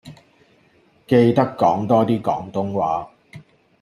記得講多啲廣東話